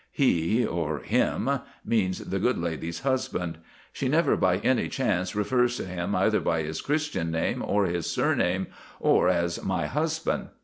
He, or "him," means the good lady's husband. She never by any chance refers to him either by his Christian name, or his surname, or as "my husband."